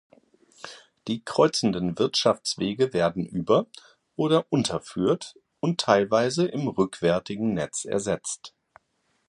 Die kreuzenden Wirtschaftswege werden über- oder unterführt und teilweise im rückwärtigen Netz ersetzt.